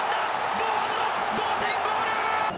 堂安の同点ゴール！